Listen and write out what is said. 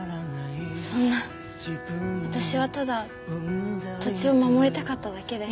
そんな私はただ土地を守りたかっただけで。